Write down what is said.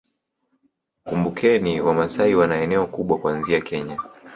Kumbukeni Wamasai wana eneo kubwa kuanzia Kenya